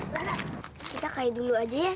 farah kita kayak dulu aja ya